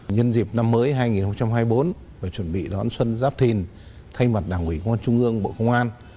nhân dịp năm mới hai nghìn hai mươi bốn và chuẩn bị đón xuân giáp thiền thay mặt đảng quỷ quân trung ương bộ công an